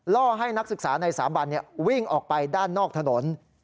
ล่อให้นักศึกษาในสาบันวิ่งออกไปด้านนอกถนน